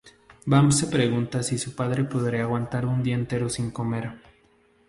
Bam se pregunta si su padre podría aguantar un día entero sin comer.